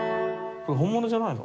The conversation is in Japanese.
これ本物じゃないの？